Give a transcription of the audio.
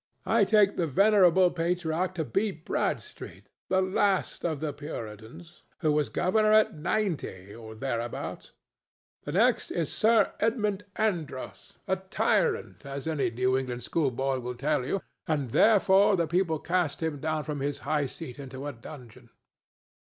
I take the venerable patriarch to be Bradstreet, the last of the Puritans, who was governor at ninety or thereabouts. The next is Sir Edmund Andros, a tyrant, as any New England schoolboy will tell you, and therefore the people cast him down from his high seat into a dungeon.